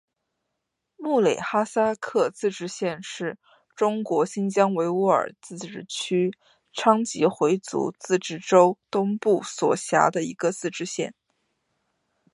木垒哈萨克自治县是中国新疆维吾尔自治区昌吉回族自治州东部所辖的一个自治县。